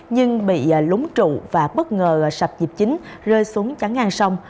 nhưng bị lúng trụ và bất ngờ sập dịp chính rơi xuống chắn ngang sông